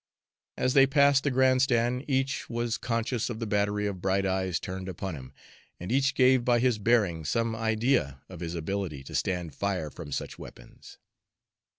As they passed the grand stand, each was conscious of the battery of bright eyes turned upon him, and each gave by his bearing some idea of his ability to stand fire from such weapons.